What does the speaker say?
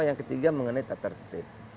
yang ketiga mengenai tata tertib